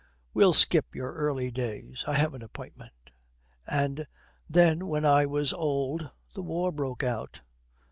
'We'll skip your early days. I have an appointment.' 'And then when I was old the war broke out.'